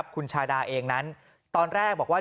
คุณชาดาเองนั้นตอนแรกบอกว่า